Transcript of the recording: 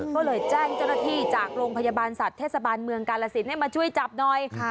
ก็เลยแจ้งเจ้าหน้าที่จากโรงพยาบาลสัตว์เทศบาลเมืองกาลสินให้มาช่วยจับหน่อย